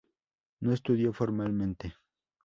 No estudió formalmente.